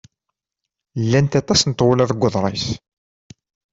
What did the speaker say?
Llant aṭas n tɣula deg uḍris.